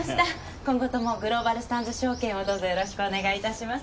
今後ともグローバル・スターンズ証券をどうぞよろしくお願い致します。